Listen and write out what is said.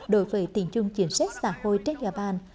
đối với tỉnh dung chiến sách xã hội trên nhà ban